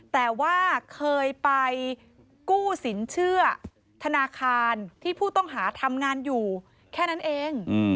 แต่ว่าเคยไปกู้สินเชื่อธนาคารที่ผู้ต้องหาทำงานอยู่แค่นั้นเอง